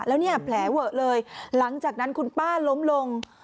แล้วเนี่ยแผลเวอะเลยหลังจากนั้นคุณป้าล้มลง